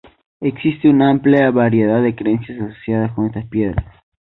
Existe una amplia variedad de creencias asociadas con estas piedras.